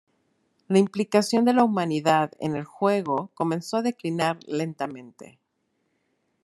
La implicación de la humanidad en el juego comenzó a declinar lentamente.